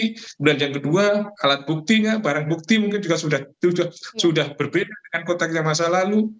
kemudian yang kedua alat buktinya barang bukti mungkin juga sudah berbeda dengan kotaknya masa lalu